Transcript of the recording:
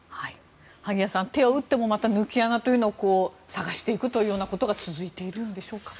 萩谷さん、手を打ってもまた抜け穴を探していくというようなことが続いているんでしょうか。